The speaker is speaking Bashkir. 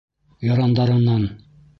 Ярандарынан: